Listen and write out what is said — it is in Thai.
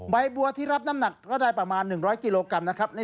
ใบบัวที่รับน้ำหนักก็ได้ประมาณ๑๐๐กิโลกรัมนะครับ